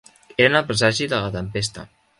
Eren el presagi de la tempesta.